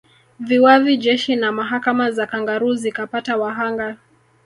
Viwavi Jeshi na mahakama za kangaroo zikapata wahanga